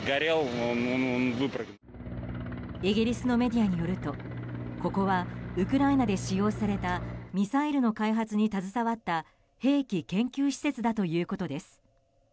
イギリスのメディアによるとここはウクライナで使用されたミサイルの開発に携わった兵器研究施設だということです。